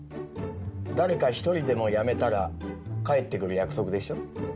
誰か１人でも辞めたら帰ってくる約束でしょ？